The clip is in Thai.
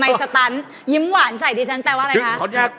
ทำไมสตั้นยิ้มหวานใส่ที่ฉันเป็นอะไรคะ